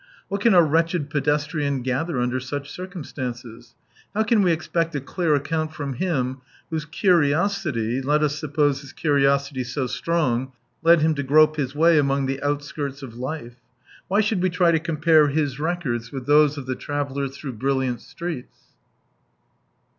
What can a wretched pedestrian gather under such circumstances ? How can we expect a clear account from him whose curiosity (let us suppose his curi osity so strong) led him to grope his way among the outskirts of life ? Why should we try. to compare his records with those of the travellers through brilliant streets